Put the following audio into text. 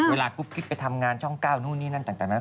เวลากรุ๊ปกิ๊บไปทำงานช่องก้าวนู่นนี่นั่นต่างน้อย